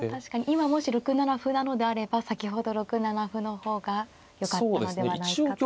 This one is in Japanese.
今もし６七歩なのであれば先ほど６七歩の方がよかったのではないかと。